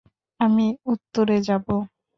আমি উত্তরে যাব।